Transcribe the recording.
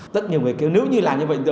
tất nhiên người kêu nếu như là như vậy